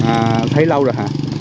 à thấy lâu rồi hả